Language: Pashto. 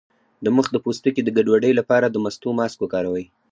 د مخ د پوستکي د ګډوډۍ لپاره د مستو ماسک وکاروئ